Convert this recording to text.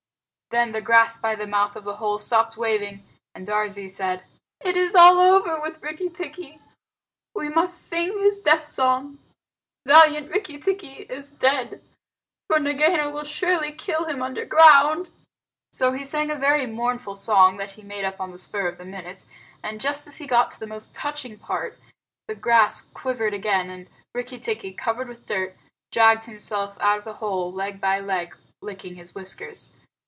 Then the grass by the mouth of the hole stopped waving, and Darzee said, "It is all over with Rikki tikki! We must sing his death song. Valiant Rikki tikki is dead! For Nagaina will surely kill him underground." So he sang a very mournful song that he made up on the spur of the minute, and just as he got to the most touching part, the grass quivered again, and Rikki tikki, covered with dirt, dragged himself out of the hole leg by leg, licking his whiskers.